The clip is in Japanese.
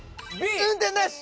運転なし！